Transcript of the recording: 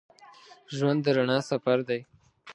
ژوند د رڼا سفر دی.